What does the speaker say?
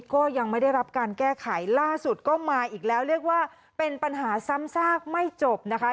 ก็ยังไม่ได้รับการแก้ไขล่าสุดก็มาอีกแล้วเรียกว่าเป็นปัญหาซ้ำซากไม่จบนะคะ